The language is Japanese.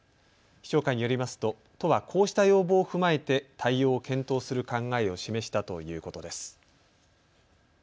市長会によりますと都はこうした要望を踏まえて対応を検討する考えを示したということです。